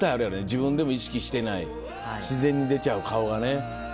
自分でも意識してない自然に出ちゃう顔がね。